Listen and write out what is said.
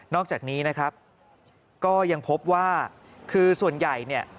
อกจากนี้นะครับก็ยังพบว่าคือส่วนใหญ่เนี่ย